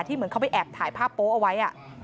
เหมือนเขาไปแอบถ่ายภาพโป๊ะเอาไว้